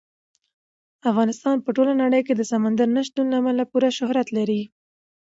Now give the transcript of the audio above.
افغانستان په ټوله نړۍ کې د سمندر نه شتون له امله پوره شهرت لري.